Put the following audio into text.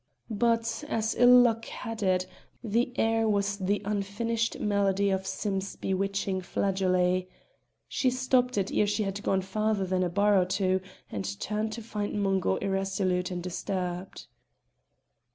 But, as ill luck had it, the air was the unfinished melody of Sim's bewitching flageolet. She stopped it ere she had gone farther than a bar or two, and turned to find Mungo irresolute and disturbed.